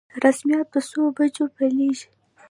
رسميات په څو بجو پیلیږي؟